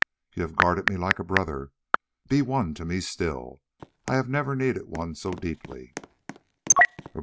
"You have guarded me like a brother. Be one to me still; I have never needed one so deeply!"